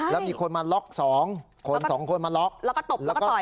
แล้วมีคนมาล็อกสองคนสองคนมาล็อกแล้วก็ตบแล้วก็